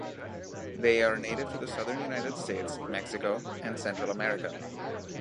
They are native to the southern United States, Mexico, and Central America.